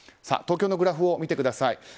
東京のグラフを見てください。